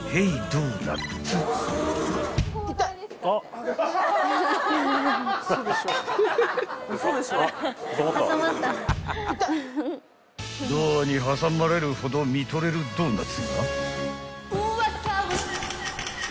［ドアに挟まれるほど見とれるドーナツが］